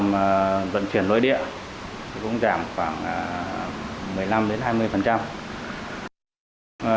giảm vận chuyển nội địa cũng giảm khoảng một mươi năm hai mươi